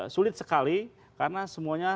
sulit sekali karena semuanya